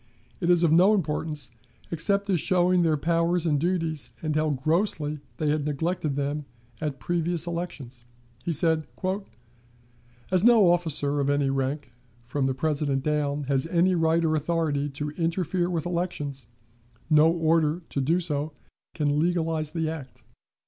It is of no importance except as showing their powers and duties, and how grossly they had neglected them at previous elections. He said: "As no officer of any rank, from the President down, has any right or authority to interfere with elections, no order to do so can legalize the act.